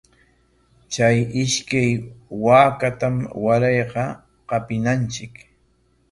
Chay ishkay waakatam warayqa qapinachik.